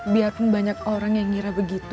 biarpun banyak orang yang ngira begitu